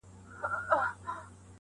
د دنیا له هر قدرت سره په جنګ یو-